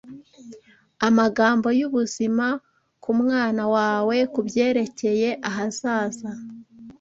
Amagambo yubuzima kumwana wawe kubyerekeye ahazaza